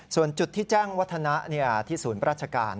ส่วนจุดที่แจ้งวัฒนะที่ศูนย์ราชการ